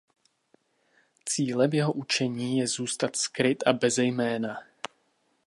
Cílem jeho učení je zůstat skryt a beze jména.